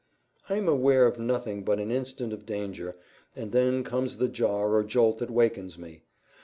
I am aware of nothing but an instant of danger, and then comes the jar or jolt that wakens me.